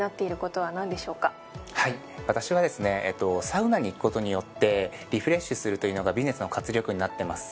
サウナに行くことによってリフレッシュするというのがビジネスの活力になってます。